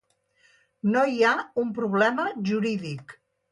No hi ha un problema jurídic.